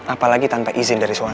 apalagi tanpa izin dari suami